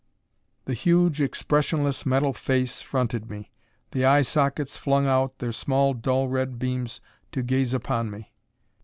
The huge, expressionless, metal face fronted me. The eye sockets flung out their small dull red beams to gaze upon me.